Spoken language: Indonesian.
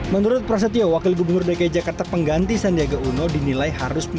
menurut prasetyo wakil gubernur dki jakarta pengganti sandiaga uno dinilai harus memiliki